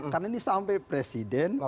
karena ini sampai presiden